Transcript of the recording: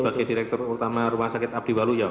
sebagai direktur utama rumah sakit abdi waluyo